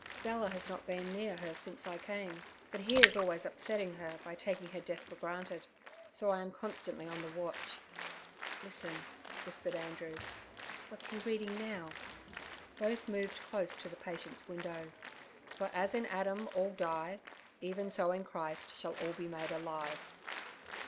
Bella has not been near her since I came. But he is always upsetting her by taking her death for granted, so I am constantly on the watch. Listen' whispered Andrew, 'what's he reading now?' Both moved close to the patient's window. '"For as in Adam all die, even so in Christ shall all be made alive."'